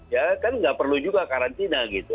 ya kan nggak perlu juga karantina gitu